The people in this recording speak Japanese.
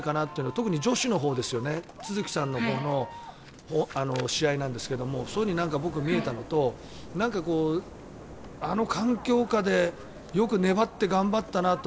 特に女子のほう都築さんの試合なんですがそういうふうに僕は見えたのとあの環境下でよく粘って頑張ったなと。